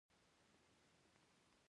ازادي راډیو د ورزش کیسې وړاندې کړي.